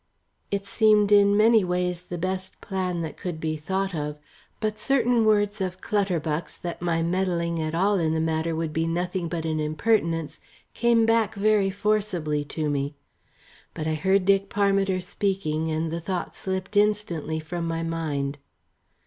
It seemed in many ways the best plan that could be thought of, but certain words of Clutterbuck's that my meddling at all in the matter would be nothing but an impertinence came back very forcibly to me. But I heard Dick Parmiter speaking, and the thought slipped instantly from my mind.